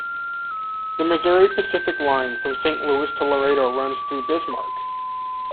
The Missouri Pacific line from Saint Louis to Laredo runs through Bismarck.